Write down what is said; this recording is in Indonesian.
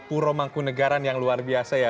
pura mangkunagaran yang luar biasa ya